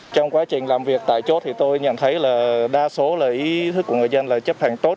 trong quá trình làm việc tại chốt thì tôi nhận thấy là đa số là ý thức của người dân là chấp hành tốt